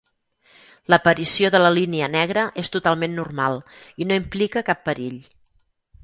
L'aparició de la línia negra és totalment normal i no implica cap perill.